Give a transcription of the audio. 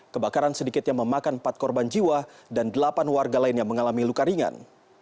kebakaran sedikitnya memakan empat korban jiwa dan delapan warga lainnya mengalami luka ringan